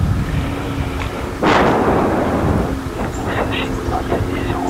Il est vrai qu'il ne s'agit pas de l'édition officielle.